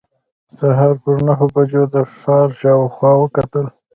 سهار پر نهو بجو د ښار شاوخوا وکتل.